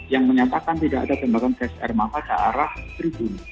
yang menyatakan tidak ada tembakan ksr maka ke arah tribun